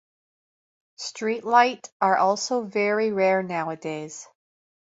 Street light are also very rare nowadays.